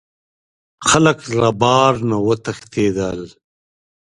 خلک له بار نه وتښتیدل.